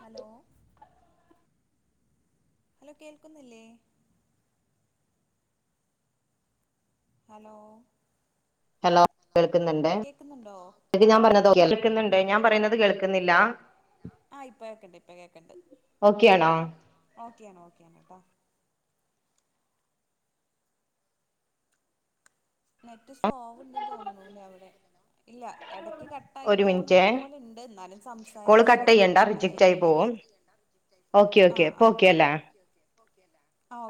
Hello hello കേക്കുന്നില്ലേ hello hello കേൾക്ക്ന്ന്ണ്ടേ ങ്ങക്ക് ഞാപർ ഞ്ഞത് ഓക്കെയല്ലേ ള്ക്ക്ന്ന്ണ്ട് ഞ്യാ പറയുന്നത് കേൾക്കുന്നില്ലാ ആഹ് യിപ്പ കേക്ക്ണ്ട് ഇപ്പ കേക്ക്ണ്ട് ഓക്കെയാണോ ഓക്കെയാണ് ഓക്കെയാണ് ട്ടോ നെറ്റ് സ്ലോവ്ണ്ട് തോന്ന്ണുലെ അവ്ടെ ഇല്ല എടക്ക് കട്ടായി പോന്നുള്ള പോലെണ്ട് ന്നാലും സംസാരിച്ചോ അതായിരിക്യും നല്ലത് ചെയ്യണ്ട റിജക്റ്റായി പോവും ആഹ് ആഹ് ഓക്കെ ഓക്കേ ഇപ്പൊ ഓക്കേ അല്ലേ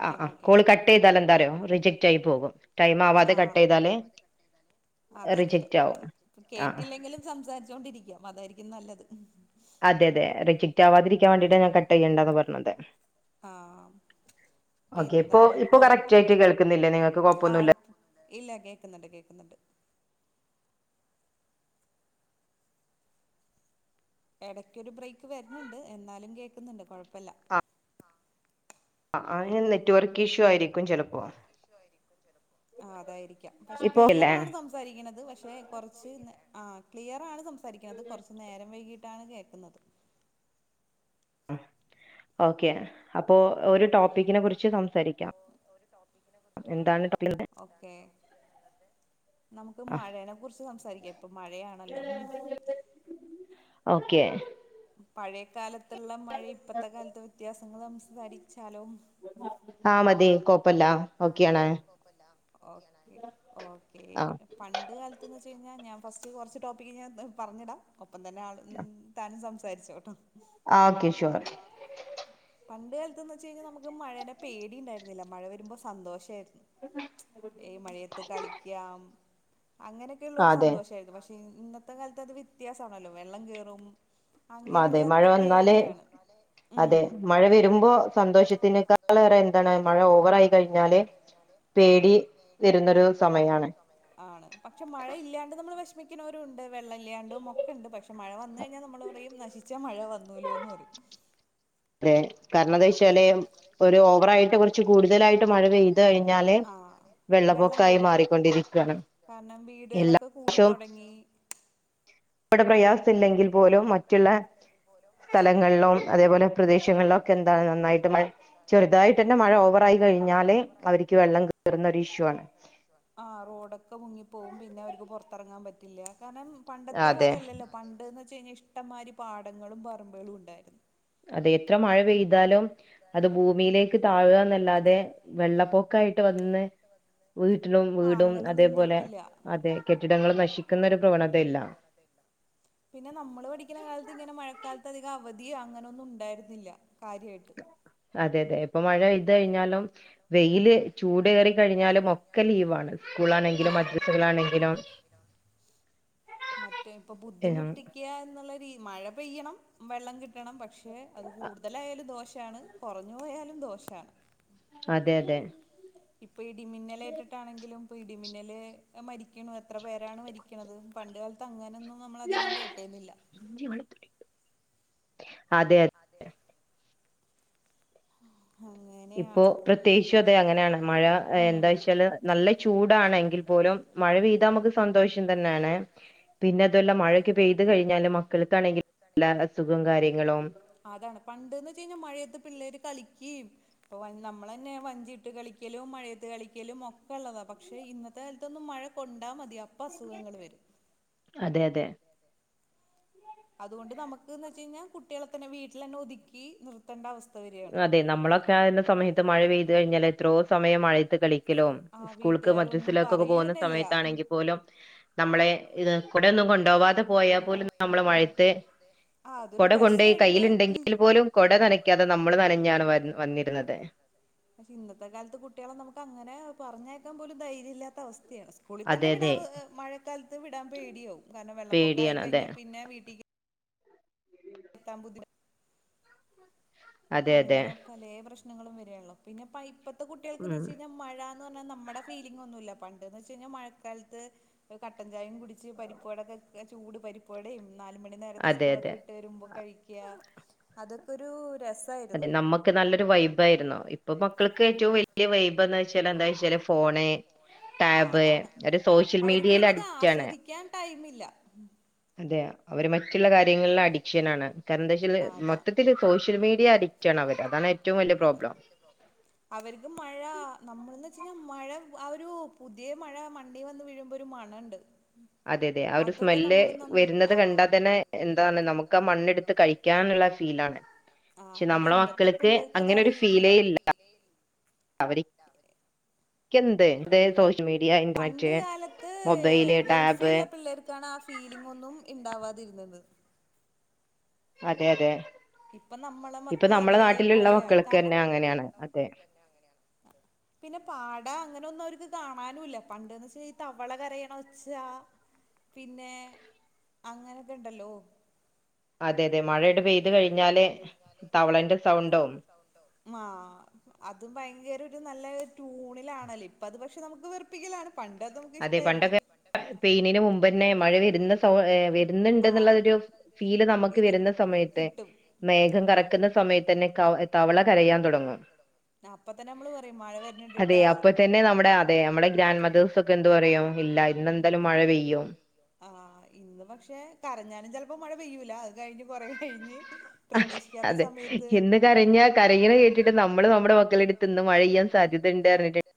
ആഹ് ആഹ് കോള് കട്ടെയ്താല ന്താറിയോ റിജക്റ്റായി പോകും ടൈമാവാതെ കട്ടെയ്താല് അതെ അതെതെ കേട്ടില്ലെങ്കിലും സംസാരിച്ചോണ്ടിരിക്ക്യാം മതായിരിക്യും നല്ലത് അതെ അതെ റിജിക്റ്റാവാതിരിക്കാൻ വേണ്ടീട്ടാ ഞാൻ കട്ടെയ്യണ്ടാന്ന് പർഞ്ഞത് ആഹ് പ്പിന്താണ് ടോപ്പിക്ക് ആഹ് ഇല്ല കേക്ക്ന്ന്ണ്ട് കേക്ക്ന്ന്ണ്ട് എടക്കരു ബ്രൈക്ക് വര്ന്ണ്ട് എന്നാലും കേക്ക്ന്ന്ണ്ട് കൊഴപ്പല്ല അഹ് ആഹ് ഹെ നെറ്റ് വർക്ക് ഇഷ്യൂ ആയിരി ആഹ് അതായിരിക്യാ പക്ഷെ ക്ലിയറാണ് സം സാരിക്ക്ണത് പക്ഷെ കൊർച്ച്ന്ന് ആഹ് ക്ലിയറാണ് സംസാരിക്ക്ണത് കൊർച്ച് നേരം വൈകി ട്ടാണ് കേക്ക്ന്നത് ആഹ് ഓക്കെ അപ്പോ ഒരു ട്ടോ ഓക്കെ അപ്പോ ഒരു ടോപ്പിക്കിനെ കുറിച്ച് സംസാരിക്യാം ഓക്കെ സംസാരിക്കാംള്ളത് നമക്ക് മഴേനെ കുർച്ച് സംസാരിക്യാം പ്പൊ മഴയാണല്ലോ ഓക്കെ പഴേ കാലത്ത്ള്ള മഴിഇപ്പത്തെ കാൽത്ത് വ്യത്യാസങ്ങള് അംസാരിച്ചാലോ ആഹ് മതി കോപ്പല്ലാ ആഹ് മതി കോപ്പല്ലാ ഓക്കെ പണ്ട് കാലത്ത്ന്ന് വെച്ച് കഴിഞ്ഞാ ഞാൻ ഫസ്റ്റ് കുറച്ച് ടോപ്പിക് ഞാൻന്ന് പറഞ്ഞിടാം ഒപ്പം തന്നെ ആളും താനും സംസാരിച്ചോട്ടെ ഓക്കെ ഷുവർ പണ്ട് കാലത്ത്ന്ന് വെച്ച് കഴിഞ്ഞാ നമുക്ക് മഴേനെ പേടിണ്ടായിരുന്നില്ല മഴ വരുമ്പോ സന്തോഷായിരു ഏ മഴയത്ത് കളിക്ക്യാം അങ്ങനൊക്കെ ഉള്ള ഒരു സന്തോഷായിരുന്നു പക്ഷെ പിൻ ഇന്നത്തെ കാലത്ത് അത് വ്യത്യാസാണല്ലോ വെള്ളം കേറും അങ്ങനെയുള്ളൊക്കെ പേടിയാണ് ഉം അതെ മഴ വരുമ്പൊ ങ്ങളേറെ എന്താണ് മഴ ഓവറായി കഴിഞ്ഞാല് പേടി വരുന്നൊരു സമയാണ് ആണ് പക്ഷെ മഴ ഇല്ലാണ്ട് നമ്മള് വിഷമിക്കുന്നവരുണ്ട് വെള്ളം ഇല്ലാണ്ടും ഒക്കെണ്ട് പക്ഷെ മഴ വന്നു കഴിഞ്ഞാൽ നമ്മള് പറയും നശിച്ച മഴ വന്നൂല്ലോന്ന് പറയും അതെ കരണതെച്ചാല് ഒരു ഓവറായിട്ട് കുറച്ച് കൂടുതലായിട്ട് മഴ പെയ്ത് കഴിഞ്ഞാല് ആഹ് വെള്ളം കേറും കാരണം വീടുകളൊക്കെ കൂടിത്തൊടങ്ങി ഇവിടെ പ്രയാസം ഇല്ലെങ്കിൽ പോലും മറ്റുള്ള സ്ഥലങ്ങളിലോ അതേപോലെ പ്രദേശങ്ങളിലോെ ക്കെ എന്താ നന്നായിട്ട് മഴ ചെറുതായിട്ട് തന്നെ മഴ ഓവറായി കഴിഞ്ഞാല് അവർക്ക് വെള്ളം കെ റുന്നൊരു ഇഷ്യു ആണ് ആഹ് റോഡൊക്കെ മുങ്ങിപ്പോകും പിന്നെ അവർക്ക് പൊറത്തിറങ്ങാൻ പറ്റില്ല കാരണം പണ്ടത്തെ പോലെ അല്ലല്ലോ പണ്ട്ന്ന് വെച്ച് കഴിഞ്ഞാ ഇഷ്ടമാതിരി പാടങ്ങളും പറമ്പുകളും ഉണ്ടായിരുന്നു അതെത്ര മഴ പെയ് താലും അത് ഭൂമിയിലേക്ക് താഴ ന്നല്ലാതെ വെള്ളപ്പൊക്കായിട്ട് വന്ന് വീട്ടിലും വീടും അതേപോലെ അതെ കെട്ടിടങ്ങള് നശിക്കുന്നരു പ്രവണതയില്ല പിന്നെ നമ്മള് പഠിക്കുന്ന കാലത്ത് ഇങ്ങനെ മഴക്കാലത്ത് അധികം അവധി അങ്ങനൊന്നും ഉണ്ടായിരുന്നില്ല കാര്യായിട്ട് അതെ അതെ ഇപ്പൊ മഴ പെയ്ത് കഴിഞ്ഞാലും വെയില് ചൂടേറി കഴിഞ്ഞാലും ഒക്കെ ലീവാണ് സ്കൂളാണെങ്കിലും മദ്രസകളാണെങ്കിലും മറ്റേപ്പൊ ബുദ്ധിമുട്ടിക്ക എന്നുള്ള രീ മഴ പെയ്യണം വെള്ളം കിട്ടണം പക്ഷേ അത് കൂടുതലായാലും ദോഷാണ് കുറഞ്ഞു പോയാലും ദോഷാണ് അതെ അതെ ഇപ്പം ഇടിമിന്നലേറ്റിട്ടാണെങ്കിലും ഇപ്പം ഇടിമിന്നല് മരിക്കണു എത്ര പേരാണ് മരിക്കണത് പണ്ട് കാലത്ത് അങ്ങനൊന്നും നമ്മളധികം കേട്ടേലില്ല [unintelligible] അതെ അ അതെ അതെ ഇപ്പോ പ്രത്യേകിച്ചും അതെ അങ്ങനേണ് മഴ എന്താ വെച്ചാല് നല്ല ചൂടാണ് എങ്കിൽ പോലും മഴ പെയ്താ നമുക്ക് സന്തോഷം തന്നേണ് പിന്നെ അതു അല്ല. മഴക്കെ പെയ്ത് കഴിഞ്ഞാലും മക്കൾക്കാണെങ്കിൽ വല്ല അസുഖം കാര്യങ്ങളും അതാണ് പണ്ട്ന്ന് വെച്ച് കഴിഞ്ഞാൽ മഴയത്ത് പിള്ളേര് കളിക്കിം പ്പൊ [unintelligible] നമ്മളന്നെ വഞ്ചിയിട്ട് കളിക്കലും മഴയത്ത് കളിക്കലും ഒക്കെള്ളതാ പക്ഷേ ഇന്ന ത്ത കാലത്തൊന്നും മഴ കൊണ്ടാ മതി അപ്പം അസുഖങ്ങൾ വരും അതെ അതെ അതുകൊണ്ട് നമുക്ക്ന്ന് വെച്ച് കഴിഞ്ഞാൽ കുട്ടിയള് ഒക്കന്നെ വീട്ടിൽ തന്നെ ഒതുക്കി നി ത്തേണ്ട അവസ്ഥ വരാണ് അതെ നമ്മളൊക്കെ ആന്ന സമയത്ത് മഴ പെയ്ത് കഴിഞ്ഞാൽ എത്രയോ സമയം മഴയത്ത് കളി സ്കൂൾക്ക് മദ്രസിലേക്ക്ക്കെ പോകുന്ന സമയത്താണെങ്കിൽ പോലും നമ്മളെ ഇത് കൊടെ ഒന്നും കൊണ്ടോവാതെ പോയാപോലും നമ്മള് മഴ് ത്ത് കൊടകൊണ്ടൈ കയ്യിലിണ്ടെങ്കിൽ പോലും കൊട നനക്കാത്ത നമ്മള് നനഞ്ഞാണ് വന്നിരുന്നത് പക്ഷെ ഇന്നത്തെ കാലത്ത് കുട്ടികളെ നമുക്ക് അങ്ങനെ പറഞ്ഞേക്കാൻ പോലും ധൈര്യല്ലാത്ത അവസ്ഥയാണ് കൂളി തന്നെ വിടാവ് മഴക്കാലത്ത് വിടാം പേടിയാവും കാരണം വെള്ളപ്പൊക്കായി കഴിഞ്ഞാ പിന്നെ വീട്ടികേ റ്റാൻ ബുദ്ധി അങ്ങനെ പലേ പ്രശ്നങ്ങളും വരാള്ളോ പിന്നെ പൈപ്പത്തെ കുട്ടികൾക്കന്ന് വെച്ചയ്ഞ്ഞ മഴാന്ന് പറഞ്ഞാ നമ്മുടെ ഫീലിംഗൊന്നുല്ല പണ്ടീന്നെച്ചയ്ഞ്ഞാ മഴക്കാലത്ത് കട്ടംചായയും കുടിച്ച് പരിപ്പ് വടൊക്കെ ചൂട് പരിപ്പവടയും നാല്മണി നേരത്ത് സ്കൂളൊക്കെ വിട്ട് വരുമ്പോ കഴിക്ക്യാ അതൊക്കൊരു രസ രസായിരുന്നു നമ്മക്ക് നല്ലൊരു വൈബായിരുന്നു മക്കക്ക് ഏറ്റവും [unintelligible] എന്തായ്ച്ചാല് ഫോണ്, ടാബ് ആഹ് അതാണ് അവർക്ക്പിന്നെ ഇത് ആസ്വദിക്കാൻ ടൈമില്ല അതെ അവര് മറ്റ് മറ്റുള്ള കാര്യങ്ങളിൽ അഡിക്ഷനാണ് കാരണം എന്താച്ചാൽ മൊത്തത്തില് സോഷ്യൽ മീഡിയ അഡിക്റ്റാണവര് അതാണ് ഏ ഏറ്റവും വല്യ പ്രോബ്ലം അവർക്ക് മഴ നമ്മളെന്ന് വെച്ചഴിഞ്ഞാ മഴ ആഹ് ഒരു പുതിയ മഴ മണ്ണി വന്ന് വീഴുമ്പോ ഒരു മണണ്ട് അതൊക്കെ നമ്മൾ നമ്മ ആഹ് ട്‌ത്താതന്നെ എന്താണ് നമുക്ക് ആഹ് മണ്ണെടുത്ത് കഴിക്കാനുള്ള താണ് ആഹ് പക്ഷ ഇന്നത്തെ പിള്ളേർക്ക് അത് അറിയില്ല അങ്ങനൊരു ഫീലേ ഇല്ല അവരി അവര് [unintelligible] പണ്ട് കാലത്ത് ഗൽഫീള്ള പിള്ളേർക്ക് ക്കാണ് ആ ഫീലിംങ്ങൊന്നും ഇണ്ടാവാതിരുന്നത് അതെ അതെ ഇപ്പൊ നമ്മളെ മക്കളും അതേപോലെയായി കാരണം നമ്മളെ നാട്ടിലുള്ള മക്കളൊക്കെന്ന അങ്ങനെയാ പിന്നെ പാട അങ്ങനൊന്നും അവര്ക്ക് കാണാനുല്ല പണ്ടീന്നെച്ചഈ തവള കരയ്ണ ഒച്ചാ പിന്നെ അങ്ങനൊക്കെണ്ടല്ലോ അതെ അതെ മഴണ്ട് പെയ് മഴണ്ട് പെയ്ത് കഴിഞ്ഞാല് തവളന്റെ സൗണ്ടും ആഹ് അതും ഭയങ്കര ഒരു നല്ല ട്യൂണിലാണല്ലോ ഇപ്പം അത് പക്ഷെ നമുക്ക് വെർപ്പിക്കലാണ് പണ്ടതും നമുക്ക് ഇഷ്ടായിര്ന്ന് പെയ്യ്ണേന് മുമ്പന്നെ മഴ വരുന്ന സൊ വെരുന്ന്ണ്ട്ന്ന്ള്ളൊരു ഫീല് നമുക്ക് വെരുന്ന സമയ തെ മേഘം കറക്കുന്ന സമയത്തന്നെ ക തവള കരയാൻ തുടങ്ങും അപ്പ തന്നെ നമ്മള് പറയും മഴ വെര്ണിണ്ട്ട്ടോ അപ്പ തന്നെ അതേ നമ്മളെ ഗ്രാന്റ് മദേർസൊക്കെ എന്ത് പറയും ഇണ്ടായി ഇന്നെന്തായാലും മഴ പെയ്യും. ആഹ് ഇന്ന് പക്ഷെ കരഞ്ഞാലും ചെലപ്പോ മഴ പെയ്യൂല അത് കഴിഞ്ഞ് കൊറെ കയിഞ്ഞ് പ്രതീക്ഷിക്കാത്ത സമയത്ത് എന്ന് കരഞ്ഞാ കരയ്ണെ കേട്ടിട്ട് നമ്മള് നമ്മുടെ മക്കളെടുത്ത് മഴയ് പെയ്യാൻ സാധ്യതണ്ട്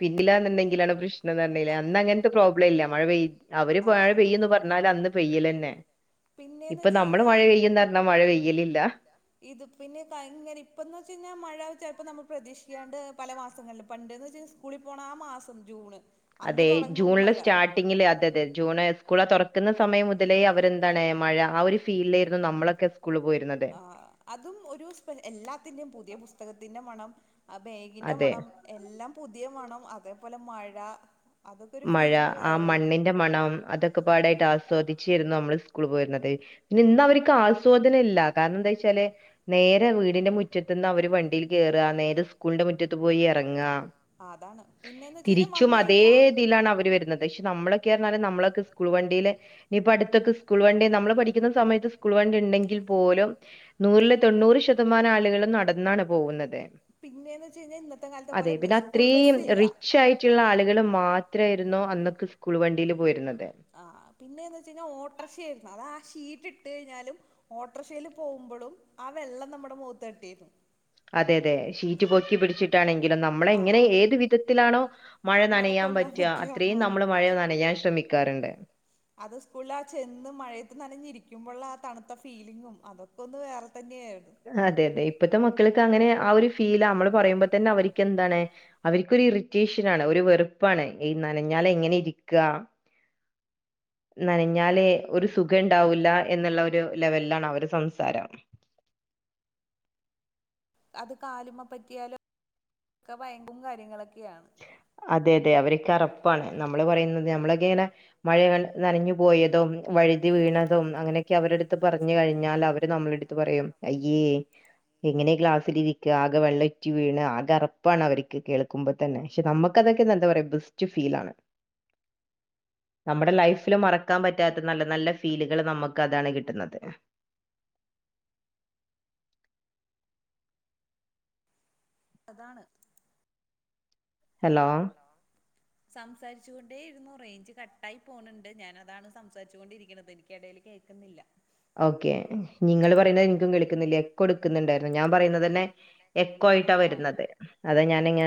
പിന്നില്ലാ എന്നുണ്ടെങ്കിലാണ് പ്രശ്നംന്നർഞ്ഞീലേ അന്നങ്ങൻത്തെ പ്രോബ്ലം ഇല്ല മഴ പെയ് അവര് മഴ പെയ്യുന്ന് പ എന്നാലന്ന് പെയ്യലന്നെ പിന്നേന്ന് വെച്ച് കയ്ഞ്ഞാ മഴ പെയ്യുംന്നർഞ്ഞാ മഴ പെയ്യു ലാ ഇത് പിന്നെ കയ് ഇങ്ങനെ ഇപ്പന്ന് വെച്ചയ്ഞ്ഞാ മഴ ചെൽപ്പോ നമ്മൾ പ്രതീക്ഷിക്കാണ്ട് പല മാസങ്ങളിൽ പണ്ടീന്ന് വെച്ചയ്ഞ്ഞാൽ സ്കൂളി പോണ ആ മാസം ജൂണ് അതെ ജൂണിലെ സ്റ്റാർട്ടിങ്ങില് അതെതെ ജൂണ് സ്കൂള തുറക്കുന്ന സമയം മുതലേ അവരെ എന്താണ് മഴ ആ ഒരു ഫീലായിരുന്നു നമ്മളൊക്കെ സ്കൂള് പോയിരുന്നത് അതും ഒരു സ്പ എല്ലാത്തിന്റെയും പുതിയ പുസ്തകത്തിൻ്റെ മണം ആ ബേഗിൻ്റെ മണം എല്ലാം പുതിയ മണം അതേപോലെ മഴ മഴ ആ മണ്ണിന്റെ മണം അതൊക്കെ പാടായിട്ട് ആസ്വദിച്ചെര്ന്നു നമ്മള് സ്കൂള് പോയിര്ന്നത് പിന്നെ ഇന്നവര്ക്ക് ആസ്വാദനം ഇല്ല കാരണം എന്താച്ചാല് നേരെ വീടിന്റെ മുറ്റത്ത്ന്ന് അവര് വണ്ടീല് കേറാ നേരെ സ്കൂൾന്റെ മുറ്റത്ത്പോയി എറങ്ങാ തിരിച്ചും അതേതിലാ അവര് വരുന്നത് പക്ഷെ നമ്മളൊക്കെ നമ്മളൊക്കെ സ്കൂൾ വണ്ടിയില് നിഇപ്പ അടുത്തക്കെ സ്കൂൾ വണ്ടി നമ്മള് പഠിക്കുന്ന സമയത്ത് സ്കൂൾ വണ്ടി ഇണ്ടെങ്കിൽ പോലും നൂറില് തൊണ്ണൂറ് ശതമാനം ആളുകളും നടന്നാണ് പോകുന്നത് അതെ പിന്നെ അത്രീം റിച്ച് ആയിട്ട്ള്ള ആള്കള് മാ ത്രേയ്ര്ന്നു അന്നൊക്കെ സ്കൂൾ വണ്ടില് പോയിര്ന്നത് ആഹ് പിന്നെ എന്ന് വെച്ച് കഴിഞ്ഞാൽ ഓട്ടർഷ ഏരുന്നു അതാ ഷീ റ്റ്ട്ട് കഴിഞ്ഞാലും ഓട്ടർഷേല് പോവുമ്പളും ആവെള്ളം നമ്മുടെ മോത്ത് തട്ടീര്ന്നു അതെ അതെ ഷീറ്റ് പൊക്കി പിടിച്ചിട്ടാണെങ്കിലും നമ്മളെങ്ങനെ ഏത് വിധത്തിലാണോ മഴ ന്നനയാൻ പറ്റാ അത്രയും നമ്മള് മഴ ന്നനയാൻ ശ്രമിക്കാറ്ണ്ട് അത് സ്കൂളാ ചെന്ന് മഴയത്ത് നനഞ്ഞിരി ക്യുമ്പൊള്ളാ തണുത്ത ഫീലിങ്ങും അതൊക്കെ ഒന്ന് വേറെ തന്നെ ആയിരുന്നു അതെ അതെ ഇപ്പത്തെ മക്കൾക്ക്‌ അങ്ങനെ ആഒരു ഫീലാ അമ്മള് പറയുമ്പം തന്നെ അവരിക് എന്താണ് അവരിക്ക് ഒരു ഇറിറ്റേഷനാണ് ഒരു വെറുപ്പാണ് ഈ നനഞ്ഞാല് എങ്ങനെ ഇരിക്കാ നനഞ്ഞാല് ഒരു സുഖം ഇണ്ടാവൂല്ല എന്നുള്ള ഒരു ലെവലിലാണ് അവര് സംസാരം അത് കാല്മെപറ്റിയാലും ക്കെ വയങ്കും കാര്യങ്ങളൊക്കെയാണ് അതെ അതെ അവരിക്ക് അറപ്പാണ് നമ്മള് പറയുന്നത് നമ്മളൊക്കെ ഇങ്ങനെ മഴ നനഞ്ഞു പോയതും വഴുതി വീണതും അങ്ങനെയൊക്കെ അവരെടുത്ത് പറഞ്ഞ് കഴിഞ്ഞാൽ അവര് നമ്മളെട്ത്ത് പറയുംഅയ്‌ യ്യേ എങ്ങനേ ക്ലാസിലിരിക്കാ ആകെ വെള്ള ഇറ്റി വീണ് ആകെ അറപ്പാണ് അവര്ക്ക് കേൾക്കുമ്പ തന്നെ പക്ഷേ നമ്മക്കതൊക്കെ ഇന്നെന്താ പറയാ ബെസ്റ്റ് ഫീലാണ് നമ്മടെ ലൈഫില് മറക്കാൻ പറ്റാത്ത നല്ല നല്ല ഫീലുകള് നമ്മക്കതാണ് കിട്ട്ന്നത് അതാണ് ഹലോ ലോ സംസാരിച്ചു കൊണ്ടേ ഇരുന്നു റേഞ്ച് കട്ടായി പോണ് ണ്ട് ഞാനാതാണ് സംസാരിച്ചു കൊണ്ടിരിക്ക്ണത് എനിക്ക് എടേല് കേ ക്ക്ന്നില്ല ഓക്കെ നിങ്ങള് പറയുന്നഹ് എനിക്കും കേള്ക്കിന്നില്ല എക്കോ എട്ക്ക്ന്ന്ണ്ടായിരുന്നു ഞാൻ പറയുന്നതന്നെ എക്കോ ആയിട്ടാ വരുന്നത് അതാ ഞാനിങ്ങനെ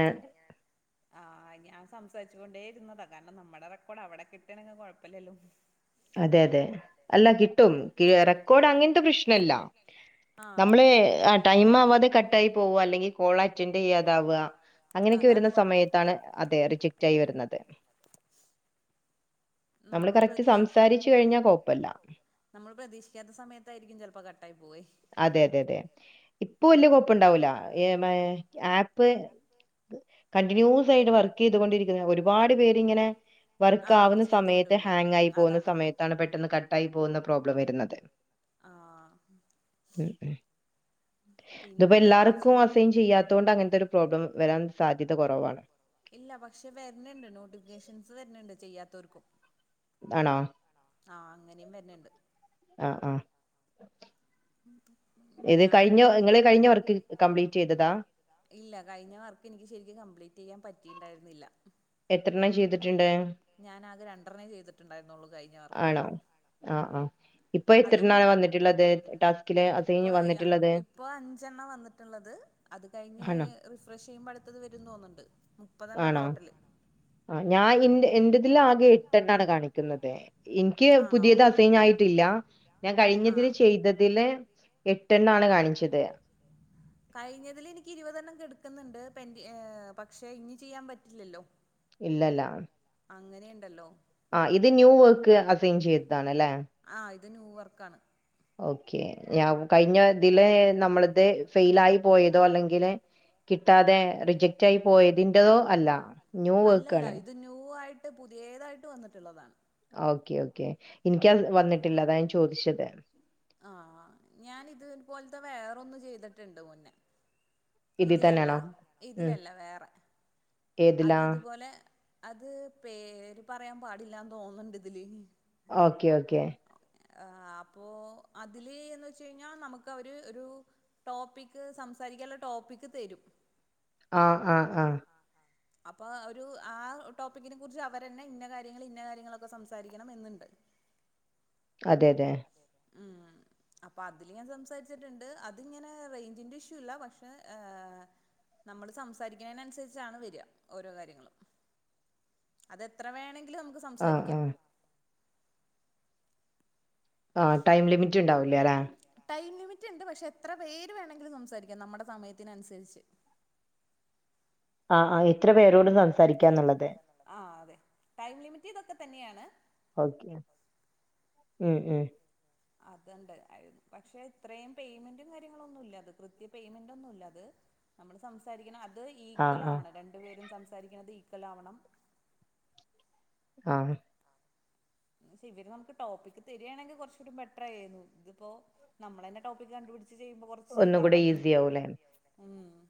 ആഹ് ഞാൻ സംസാരിച്ചു കൊണ്ടേ ഇരുന്നതാ കാരണം നമ്മുടെ റെക്കോർഡ് അവിടെ കിട്ടാണെങ്ങെ കൊഴപ്പല്ലലോ അതെ അതെ അല്ല കിട്ടും കെ റെക്കോർഡ് അങ്ങൻത്തെ പ്രശ്നല്ല നമ്മള് ആഹ് ടൈം ആവാതെ കട്ടായി ആയി പോവാ അല്ലെങ്കിൽ കോൾ അറ്റൻന്റെയ്യാതാവാ അങ്ങനൊക്കെ വരുന്ന സമയത്താണ് അതെ റിജക്റ്റ് ആയി വരുന്നത് നമ്മള് പ്രതീഷി സാരിച്ച് കഴിഞ്ഞാ കോപ്പല്ല നമ്മള് പ്രതീക്ഷിക്കാത്ത സമയത്തായിരിക്കും ചെലപ്പൊ കട്ടായി പോവെയ് അതെ അതെ അതെ ഇപ്പൊ വല്ല്യെ കോയ്പ്പണ്ടാവുലാ ഈ മെ ഹ് ആപ്പ് കണ്ടിന്യൂസ് ആയിറ്റ് വർക്കെയ്തുകൊണ്ടിരിക്കുന്ന ഒരുപാട് പേരിങ്ങനെ വർക്ക് ആവുന്ന സമയത്ത് ഹാങ് ആയി പോകുന്ന സമയത്താണ് പെട്ടെന്ന് കട്ടായി പോവുന്ന പ്രോബ്ളം വരുന്നത് ആഹ് ഉം ഉം ഇത് പ്പൊ എല്ലാറ്ക്കും അസൈൻ ചെയ്യാത്ത കൊണ്ട് അങ്ങൻത്തൊരു പ്രോബ്ലം വെരാൻ സാധ്യത കൊറവാണ് ഇല്ല പക്ഷെ വെര്ന്ണ്ട് നോട്ടിഫിക്കേഷൻസ് വെര്ന്ണ്ട് ചെയ്യാത്തോര്ക്കും ആണോ ആഹ് അങ്ങനെം വെര്ണുണ്ട് ആഹ് ആഹ് ഇത് കഴിഞ്ഞൊ ഇങ്ങള് കഴിഞ്ഞ വർക്ക് കംപ്ലീറ്റെയ്തതാ? ഇല്ല കഴിഞ്ഞ വർക്ക് ഇനിക്ക് ശരിക്കും കംപ്ലീറ്റെയ്യാൻ പറ്റീണ്ടായിരുന്നില്ല എത്രണ്ണം ചെയ്തിട്ടുണ്ട്? ഞാനാകെ രണ്ടെറനെ ചെയ്തിട്ടുണ്ടായിരുന്നുള്ളൂ കഴിഞ്ഞവർക്ക് ആഹ് ആഹ് അതും എത്രണ്ണാ വന്നിട്ടുള്ളത്. ഇപ്പൊയാഇപ്പോഅഞ്ചെണ്ണം വന്നിട്ടുള്ളത് അത് കഴിഞ്ഞ് റിഫ്രഷെയ്യുമ്പ ടുത്തത് വരൂം തോന്ന്ണ്ട് മുപ്പതെണ്ണാ ടോട്ടല്. ആഹ് ഞാൻ ഇന്റെ എന്റതിൽ ആകെ എട്ടെണ്ണാണ് കാണിക്കുന്നത് എനിക്ക് പുതിയത് അസൈനായിട്ടില്ല ഞാൻ കഴിഞ്ഞതില് ചെയ്തതില് എട്ടെണ്ണാണ് കാണിച്ചത് [inaudible] കഴിഞ്ഞതിലെനിക്ക് ഇരുപതെണ്ണം കെടക്കുന്നുണ്ട് പെന്റ് പക്ഷെ ഇനി ചെയ്യാൻ പറ്റില്ലല്ലോ ഇല്ലല്ല അങ്ങനെണ്ടല്ലോ ആഹ് ഇത് ന്യൂ വക്ക് അസൈൻ ചെയ്തതാണ്ല്ലേ ആഹ് ഇത് ന്യൂ വർക്കാണ് ഓക്കെ ഞാ കഴിഞ്ഞ തില് നമ്മളത് ഫെയിലായി പോയതോ അല്ലെങ്കില് കിട്ടാതെ റിജക്റ്റായി പോയതിൻ്റെതോ അല്ല ന്യൂ വർക്കാണ് നൂ ആയിട്ട് പുതിയേതായിട്ട് വന്നിട്ടുള്ളതാണ് ഓക്കെ ഓക്കെ ഇനിക്കത് വന്നിട്ടില്ല അതായ്ൻ ചോദിച്ചത് ആഹ് ഞാനിത് പോൽത്തെ വേറൊന്ന് ചെയ്തിട്ടുണ്ട് മുന്നെ ഇതിലല്ല ഇതിലല്ല വേറ അത് തുപോലെ അത് പേര് പറയാൻ പാടില്ലാന്ന് തോന്ന്ന്നുണ്ടിതില് ഓക്കേ ഓക്കെ ആഹ് അപ്പൊ അതില് എന്ന് വെച്ച് കഴിഞ്ഞാ നമുക്കവര് ഒരു ടോപ്പിക്ക് സംസാരിക്കാൻള്ള ടോപ്പിക്ക് തരും ആഹ് ആഹ് ആഹ് അപ്പൊ ഒരു ആ ടോപ്പിക്കിനെ കുറിച്ച് അവരന്നെ ഇന്ന കാര്യങ്ങൾ ഇന്ന കാര്യങ്ങളൊക്കെ സംസാരിക്കണം എന്നുണ്ട് [inaudible] അതെ അതെ അതെ ആഹ് അപ്പൊ അതില് ഞാൻ സംസാരിച്ചിട്ടുണ്ട് അതിങ്ങനെ റേഞ്ചിന്റെഷ്യൂല്ല പക്ഷെ, ഏ നമ്മള് സംസാരിക്കുന്നേനനുസരിച്ചാണ് വെര്അ ഓരോ കാര്യങ്ങളും അതെത്ര വേണെങ്കിലും നമുക്ക് സംസാരിക്കാം ആഹ് ടൈം ലിമിറ്റ്ണ്ടാവുല്ല്യ ലേ ടൈം ലിമിറ്റ്ണ്ട് പക്ഷെ എത്ര പേര് വേണമെങ്കിലും സംസാരിക്കാം നമ്മുടെ സമയത്തിനനുസരിച്ച് [inaudible] ആഹ് എത്ര പേരോട് സംസാരിക്കാന്നുള്ളത് ആഹ് അതെ ടൈം ലിമിറ്റ് ഇതൊക്കെ തന്നെയാണ് ഓക്കെ ഉം ഉം. അത്ണ്ട് അഅ് പക്ഷെ ത്രയും പേയ്മെന്റും കാര്യങ്ങളൊന്നുല്ല ത് കൃത്യ പേയ്മെന്റൊന്നുല്ലത് നമ്മള് സംസാരിക്കണം അത് ഈക്വലാവണം രണ്ടു പേരും സംസാരിക്കണത് ഈക്വലാവണം ആഹ് പക്ഷെ ഇവര് നമക്ക് ടോപ്പിക്ക് തരിയാണെങ്കി കൊറച്ചുടി ബെറ്റർ ആവായിനു ത്പ്പോ നമ്മളന്നെ ടോപ്പിക്കണ്ടുപിട് ച്ച് ചെയ്യുമ്പോ കൊറച്ച് ഇതാണല്ലോ ഉം